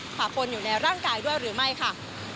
ผ่าปนอยู่ในร่างกายด้วยหรือไม่ค่ะ